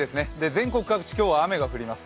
全国各地、今日は雨が降ります。